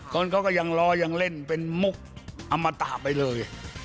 คนเขาก็ยังรอยังเล่นเป็นมุกอมตะไปเลย